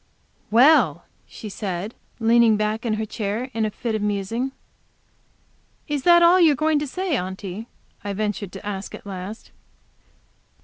"Well!" she said, and leaned back in her chair in a fit of musing. "Is that all you are going to say, Aunty?" I ventured to ask at last.